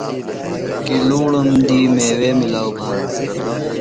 کِلُوڑم دی میوے مِلاؤ بھانہ۔